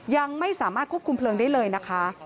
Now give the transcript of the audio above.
ยังไม่สามารถควบคุมเพลิงได้เลยนะคะ